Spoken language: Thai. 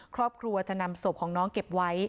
ครอบครัวจะนำศพของน้องเก็บไว้